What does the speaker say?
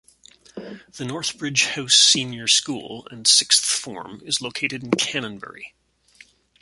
The North Bridge House Senior School and Sixth Form is located in Canonbury.